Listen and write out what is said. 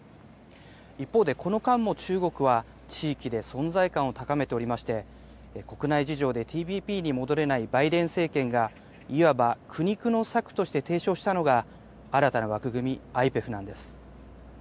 一方で、この間も中国は地域で存在感を高めておりまして、国内事情でＴＰＰに戻れないバイデン政権がいわば苦肉の策として提唱したのが新たな枠組み、ＩＰＥＦなんです。